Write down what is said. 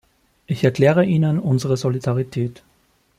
Ich erkläre Ihnen unsere Solidarität.